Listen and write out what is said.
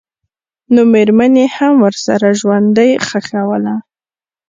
نومېرمن یې هم ورسره ژوندۍ ښخوله.